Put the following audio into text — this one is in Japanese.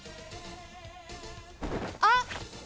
あっ！